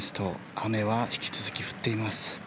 雨は引き続き降っています。